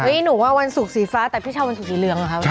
เว้ยหนูว่าวันสุขสีฟ้าแต่พี่ช้าวันสุขสีเหลืองเหรอคะ